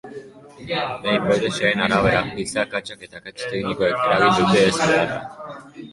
Lehen hipotesien arabera, giza akatsak eta akats teknikoek eragin dute ezbeharra.